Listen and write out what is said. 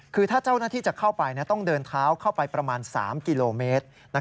คือถ้าเจ้าหน้าที่จะเข้าไปต้องเดินเท้าเข้าไปประมาณ๓กิโลเมตร